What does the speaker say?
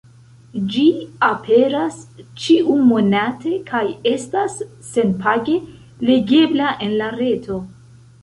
Ĝi aperas ĉiu-monate, kaj estas sen-page legebla en la reto.